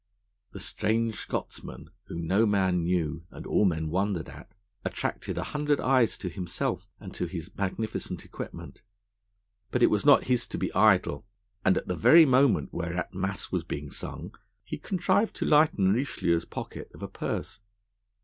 The strange Scotsman, whom no man knew and all men wondered at, attracted a hundred eyes to himself and his magnificent equipment. But it was not his to be idle, and at the very moment whereat Mass was being sung, he contrived to lighten Richelieu's pocket of a purse.